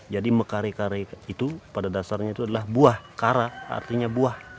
jadi mekare kare itu pada dasarnya itu adalah buah kara artinya buah